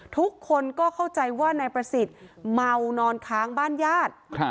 ทุกคนก็เข้าใจว่านายประสิทธิ์เมานอนค้างบ้านญาติ